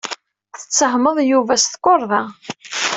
Tettehmeḍ Yuba s tukerḍa.